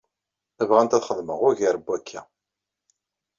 Bɣant ad xedmeɣ ugar n wakka.